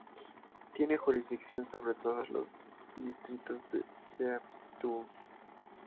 Tiene jurisdicción sobre todos los distritos de Sebastopol.